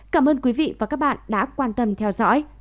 cảm ơn quý vị và các bạn đã quan tâm theo dõi